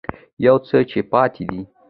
يو څه چې پاتې دي